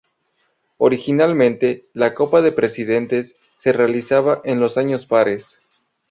Originalmente, la Copa de Presidentes se realizaba en los años pares.